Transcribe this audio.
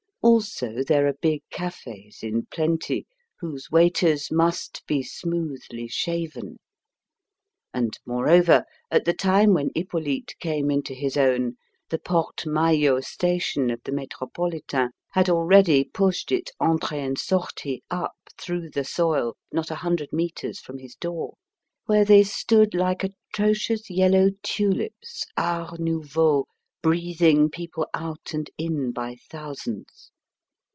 Also there are big cafés in plenty, whose waiters must be smoothly shaven: and moreover, at the time when Hippolyte came into his own, the porte Maillot station of the Métropolitain had already pushed its entrée and sortie up through the soil, not a hundred metres from his door, where they stood like atrocious yellow tulips, art nouveau, breathing people out and in by thousands.